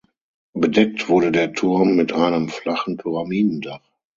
Bedeckt wurde der Turm mit einem flachen Pyramidendach.